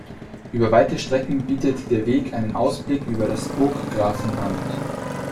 Über weite Strecken bietet der Weg einen Ausblick über das Burggrafenamt.